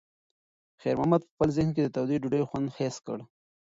خیر محمد په خپل ذهن کې د تودې ډوډۍ خوند حس کړ.